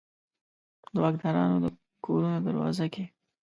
د واکدارانو د کورونو دروازو کې